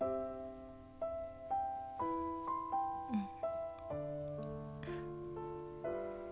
うん。